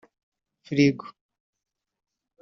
frigo